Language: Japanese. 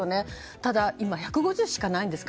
ただ、今１５０しかないんですか。